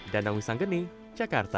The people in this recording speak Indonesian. danang wisang geni jakarta